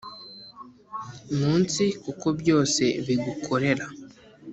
Munsi kuko byose bigukorera